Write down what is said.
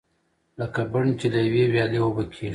لکه بڼ چې له یوې ویالې اوبه کېږي.